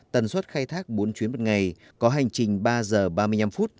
tần suất khai thác bốn chuyến một ngày có hành trình ba h ba mươi năm